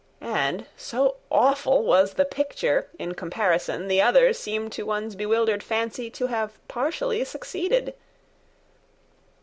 And, so awful was the picture, In comparison the others Seemed, to one's bewildered fancy, To have partially succeeded.